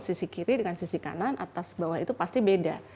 sisi kiri dengan sisi kanan atas bawah itu pasti beda